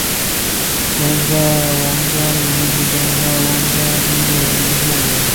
柬埔寨王家陆军是柬埔寨王家军队的一部分。